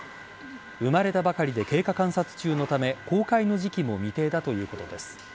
生まれたばかりで経過観察中のため公開の時期も未定だということです。